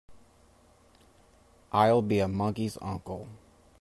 I'll be a monkey's uncle!